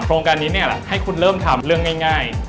โครงการนี้ให้คุณเริ่มทำเรื่องง่าย